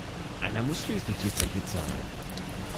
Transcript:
Einer muss schließlich die Zeche zahlen.